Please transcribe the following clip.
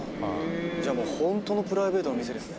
「じゃあもう本当のプライベートの店ですね」